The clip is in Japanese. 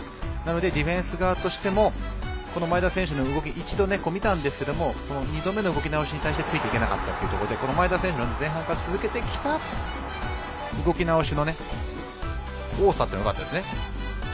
ディフェンス側としても前田選手の動き一度見たんですけれど２度目の動きについていけなかったということで前田選手は前半から続けてきた動き直しの多さよかったですよね。